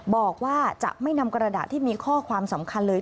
บอกว่าจะไม่นำกระดาษที่มีข้อความสำคัญเลย